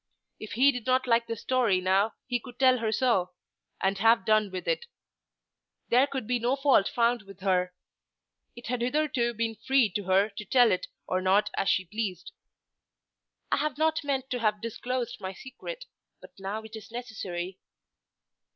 If he did not like the story now he could tell her so, and have done with it. There could be no fault found with her. It had hitherto been free to her to tell it or not as she pleased. "I had not meant to have disclosed my secret, but now it is necessary."